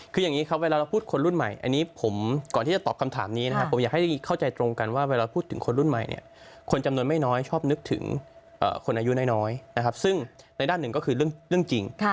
คืออย่างนี้ครับเวลาเราพูดคนรุ่นใหม่อันนี้ผมก่อนที่จะตอบคำถามนี้นะครับผมอยากให้เข้าใจตรงกันว่าเวลาพูดถึงคนรุ่นใหม่เนี่ยคนจำนวนไม่น้อยชอบนึกถึงคนอายุน้อยนะครับซึ่งในด้านหนึ่งก็คือเรื่องจริง